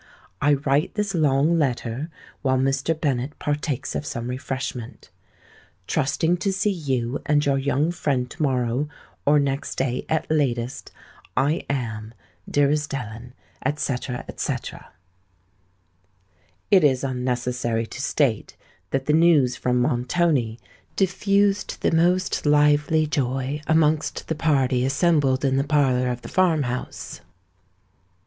"I write this long letter while Mr. Bennet partakes of some refreshment. "Trusting to see you and your young friend to morrow or next day at latest, I am, dearest Ellen," &c. &c. It is unnecessary to state that the news from Montoni diffused the most lively joy amongst the party assembled in the parlour of the farm house.